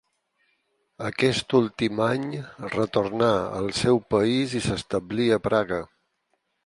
Aquest últim any retornà al seu país i s'establí a Praga.